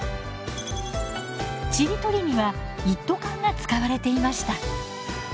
ちりとりには一斗缶が使われていました。